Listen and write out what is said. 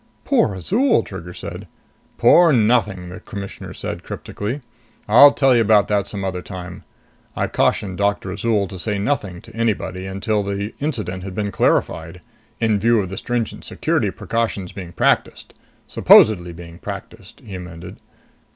"Poor Azol!" Trigger said. "Poor nothing!" the Commissioner said cryptically. "I'll tell you about that some other time. I cautioned Doctor Azol to say nothing to anybody until the incident had been clarified, in view of the stringent security precautions being practiced ... supposedly being practiced," he amended.